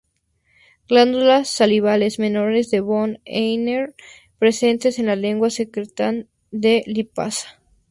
Glándulas salivales menores de von Ebner presentes en la lengua secretan la lipasa.